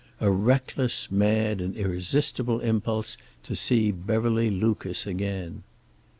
A reckless, mad, and irresistible impulse to see Beverly Lucas again.